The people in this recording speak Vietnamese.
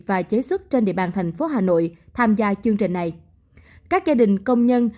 và chế xuất trên địa bàn tp hà nội tham gia chương trình này